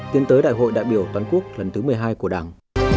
tiến tới đại hội đại biểu toàn quốc lần thứ một mươi hai của đảng